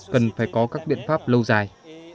cần phải có các biện pháp lâu dài